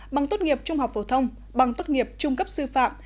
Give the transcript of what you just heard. bằng tốt nghiệp trung học phổ thông bằng tốt nghiệp trung cấp sư phạm